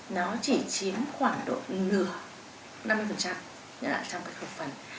nó chỉ chiếm khoảng độ nửa năm mươi trong các khẩu phần